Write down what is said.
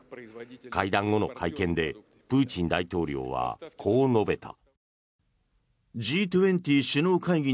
会談後の会見でプーチン大統領はこう述べた。